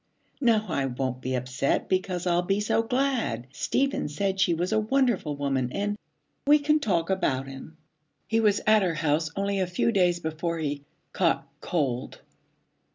'No, I won't be upset because I'll be so glad. Stephen said she was a wonderful woman, and we can talk about him. He was at her house only a few days before he caught cold.'